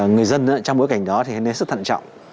người dân trong bối cảnh đó thì nên hết sức thận trọng